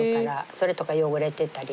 それとか汚れてたり。